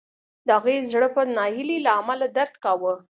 د هغې زړه به د ناهیلۍ له امله درد کاوه